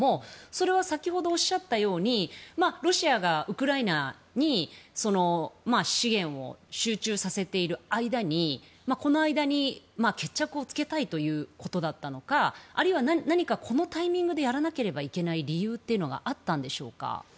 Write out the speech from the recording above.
それは先ほどおっしゃったようにロシアがウクライナに資源を集中させている間に決着をつけたいといったことだったのかあるいは何かこのタイミングでやらなければいけない理由があったんでしょうか？